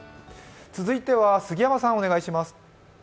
続いては杉山さん、お願いします。